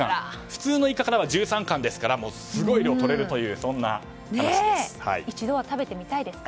普通のイカからは１３貫ですからすごい量が取れるという話です。